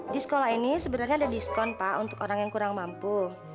di sekolah ini sebenarnya ada diskon pak untuk orang yang kurang mampu